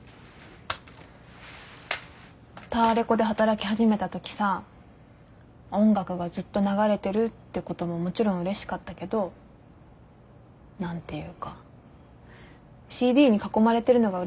タワレコで働き始めたときさ音楽がずっと流れてるってことももちろんうれしかったけど何ていうかＣＤに囲まれてるのがうれしかったんだよね。